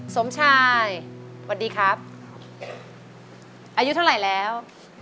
สมชายสวัสดีครับอายุเท่าไหร่แล้ว